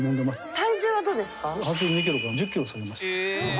体重はどうですか？